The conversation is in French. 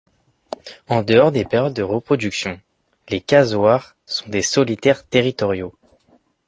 En-dehors des périodes de reproduction, les casoars sont des solitaires territoriaux.